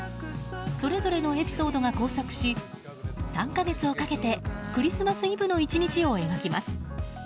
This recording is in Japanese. それぞれのエピソードが交錯し３か月をかけてクリスマスイブの１日を描きます。